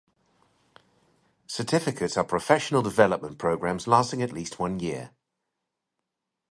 Certificates are professional development programs lasting at least one year.